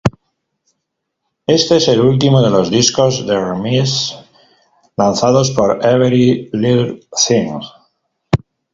Este es el último de los discos "The Remixes" lanzados por Every Little Thing.